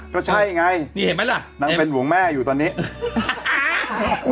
ก็ใช่ไงนางเป็นเราแม่อยู่ตอนนี้